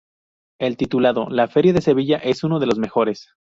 El titulado "La feria de Sevilla" es uno de los mejores.